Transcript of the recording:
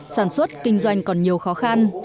sản xuất kinh doanh còn nhiều khó khăn